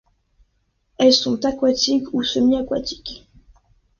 Elles sont aquatiques ou semi-aquatiques.